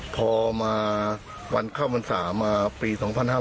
พอมาวันเข้าพรรษามาปี๒๕๕๙